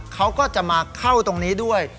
เขาก็จะมาเข้าตรงนี้ด้วย